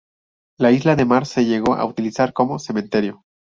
La isla de Mar se llegó a utilizar como cementerio.